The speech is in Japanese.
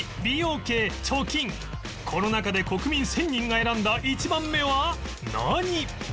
この中で国民１０００人が選んだ１番目は何？